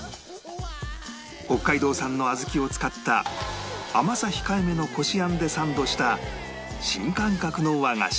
北海道産の小豆を使った甘さ控えめのこしあんでサンドした新感覚の和菓子